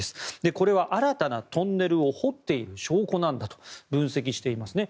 これは新たなトンネルを掘っている証拠なんだと分析していますね。